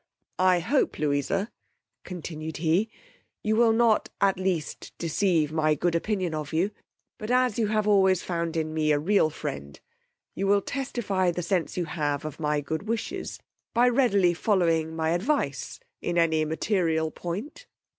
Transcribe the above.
I hope, Louisa, continued he, you will not at least deceive my good opinion of you; but as you have always found in me a real friend, you will testify the sense you have of my good wishes, by readily following my advice in any material point.